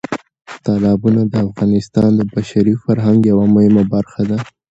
تالابونه د افغانستان د بشري فرهنګ یوه مهمه برخه ده.